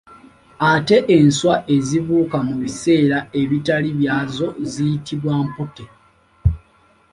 Ate enswa ezibuuka mu biseera ebitali byazo ziyitibwa mputte.